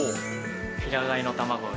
平飼いの卵で。